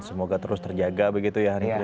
semoga terus terjaga begitu ya